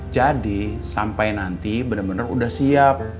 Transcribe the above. jadi sampai nanti bener bener udah siap